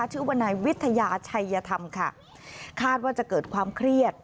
ชื่อว่านายวิทยาชัยธรรมค่ะคาดว่าจะเกิดความเครียด